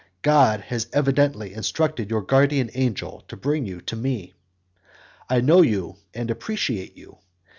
God had evidently instructed your guardian angel to bring you to me. I know you and appreciate you.